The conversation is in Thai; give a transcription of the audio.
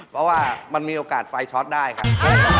เพราะว่ามันมีโอกาสไฟช็อตได้ครับ